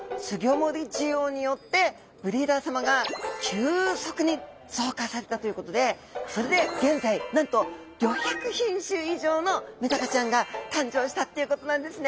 需要によってブリーダーさまが急速に増加されたということでそれで現在なんと５００品種以上のメダカちゃんが誕生したっていうことなんですね。